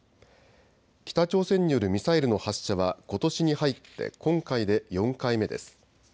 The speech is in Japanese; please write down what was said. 北朝鮮によるミサイルの発射はことしに入って今回で４回目です。